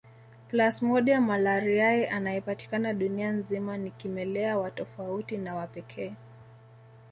Plasmodium malariae anayepatikana dunia nzima ni kimelea wa tofauti na wa pekee